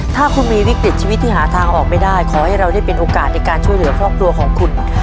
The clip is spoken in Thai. ถ้าคุณมีวิกฤตชีวิตที่หาทางออกไม่ได้ขอให้เราได้เป็นโอกาสในการช่วยเหลือครอบครัวของคุณ